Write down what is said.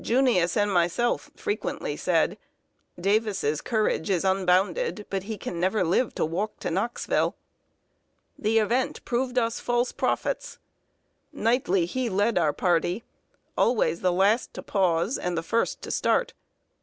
"Junius" and myself frequently said: "Davis's courage is unbounded, but he can never live to walk to Knoxville." The event proved us false prophets. Nightly he led our party always the last to pause and the first to start.